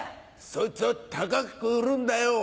そいつを高く売るんだよ。